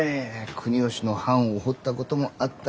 国芳の版を彫ったこともあった。